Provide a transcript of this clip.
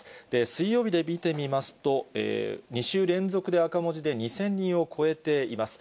水曜日で見てみますと、２週連続で赤文字で、２０００人を超えています。